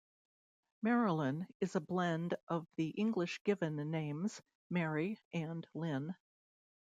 Marilyn is a blend of the English given names Mary and Lynn.